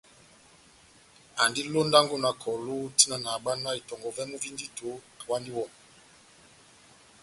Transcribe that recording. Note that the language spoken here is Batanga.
Andi londango na kɔlu tian nahábwanáh itɔngɔ vɛ́mu vi ndito awandi iwɔ.